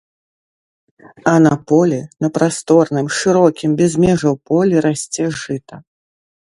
А на полі, на прасторным, шырокім, без межаў полі расце жыта.